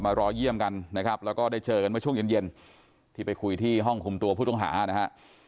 รอเยี่ยมกันนะครับแล้วก็ได้เจอกันเมื่อช่วงเย็นที่ไปคุยที่ห้องคุมตัวผู้ต้องหานะฮะ